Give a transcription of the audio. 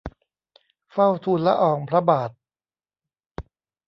เฝ้าทูลละอองพระบาท